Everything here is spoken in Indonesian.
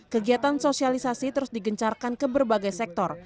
kegiatan sosialisasi terus digencarkan ke berbagai sektor